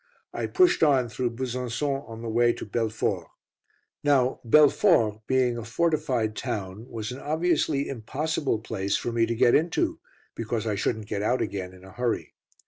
I pushed on through Besançon on the way to Belfort. Now Belfort, being a fortified town, was an obviously impossible place for me to get into, because I shouldn't get out again in a hurry.